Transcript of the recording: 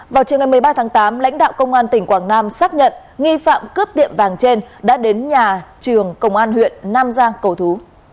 vào trường ngày một mươi ba tháng tám lãnh đạo công an tỉnh quảng nam xác nhận nghi phạm cướp tiệm vàng trên đã đến nhà trường công an huyện nam giang cầu thú